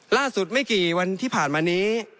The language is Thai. ล่าสุดไม่กี่วันที่ผ่านมานี้